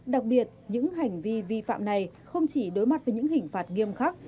đặc biệt những hành vi vi phạm này không chỉ đối mặt với những hình phạt nghiêm khắc